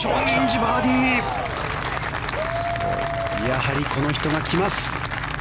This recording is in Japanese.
やはりこの人が来ます。